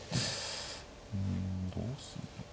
うんどうするのかな。